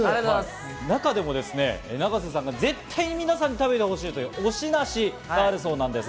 中でも永瀬さんが絶対に皆さんに食べてほしいという、推し梨があるそうなんです。